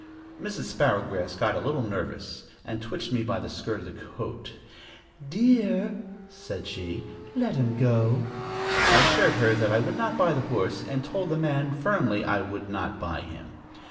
_" Mrs. Sparrowgrass got a little nervous, and twitched me by the skirt of the coat "Dear," said she, "let him go." I assured her that I would not buy the horse, and told the man firmly I would not buy him.